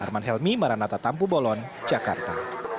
arman helmy maranatha tampu bolon jakarta